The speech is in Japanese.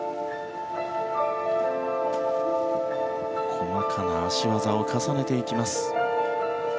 細かな脚技を重ねていきます。